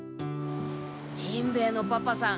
しんべヱのパパさん